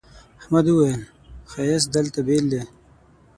احمد وويل: ښایست دلته بېل دی.